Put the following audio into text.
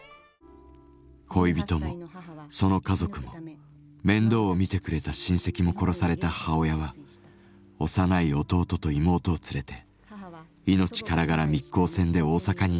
恋人もその家族も面倒を見てくれた親戚も殺された母親は幼い弟と妹を連れて命からがら密航船で大阪に逃げ帰ったのです。